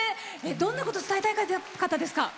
どんなことを伝えたかったですか。